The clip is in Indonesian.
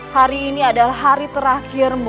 hari ini adalah hari terakhirmu